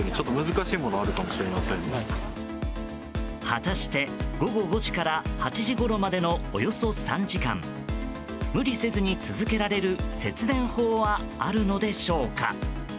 果たして、午後５時から８時ごろまでの、およそ３時間無理せずに続けられる節電法はあるのでしょうか？